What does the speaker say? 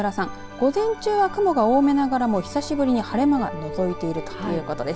午前中は雲が多めながらも久しぶりに晴れ間がのぞいているということです。